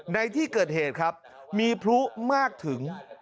ในที่เกิดเหตุครับมีพลุมากถึง